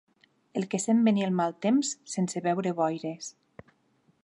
El que sent venir el mal temps sense veure boires